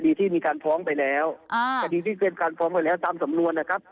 คดีที่มีการพร้อมไปแล้วคดีที่เป็นการพร้อมไปแล้วตามสำนวนนะครับ